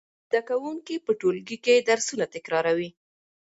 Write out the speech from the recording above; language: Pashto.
زده کوونکي په ټولګي کې درسونه تکراروي.